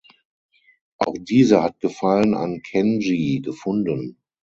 Auch diese hat Gefallen an Kenji gefunden.